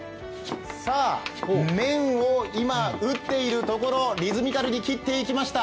麺を今、打っているところ、リズミカルに切っていきました。